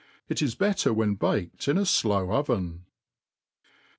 Ic is better when baked in a flow oven.